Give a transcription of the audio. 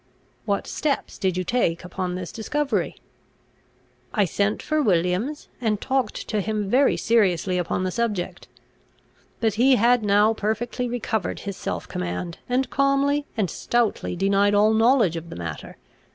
"What steps did you take upon this discovery?" "I sent for Williams, and talked to him very seriously upon the subject. But he had now perfectly recovered his self command, and calmly and stoutly denied all knowledge of the matter.